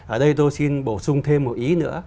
ở đây tôi xin bổ sung thêm một ý nữa